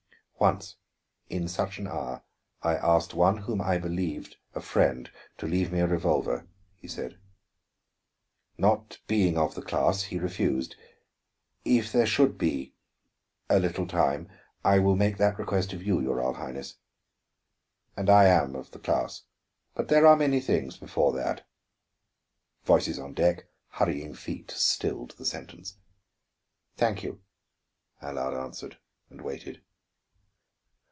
"Once, in such an hour, I asked one whom I believed a friend to leave me a revolver," he said. "Not being of the class, he refused. If there should be a little time, I will make that request of you, your Royal Highness." "And I am of the class. But there are many things before that." Voices on deck, hurrying feet, stilled the sentence. "Thank you," Allard answered, and waited.